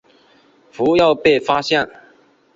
不要被发现